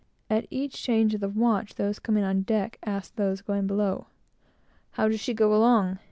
At each change of the watch, those coming on deck asked those going below "How does she go along?"